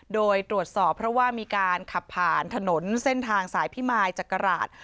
โดยตรวจสอบเพราะว่ามีการขับผ่านถนนเส้นทางสายพิมายจักราช